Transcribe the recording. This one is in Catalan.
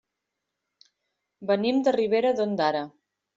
Venim de Ribera d'Ondara.